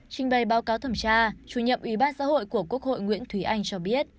trình bày báo cáo thẩm tra chủ nhiệm ủy ban xã hội của quốc hội nguyễn thúy anh cho biết